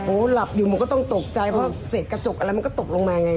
หลับอยู่หนูก็ต้องตกใจเพราะเศษกระจกอะไรมันก็ตกลงมาไง